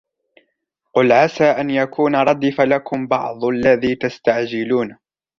قُلْ عَسَى أَنْ يَكُونَ رَدِفَ لَكُمْ بَعْضُ الَّذِي تَسْتَعْجِلُونَ